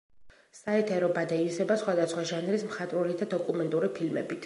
საეთერო ბადე ივსება სხვადასხვა ჟანრის მხატვრული და დოკუმენტური ფილმებით.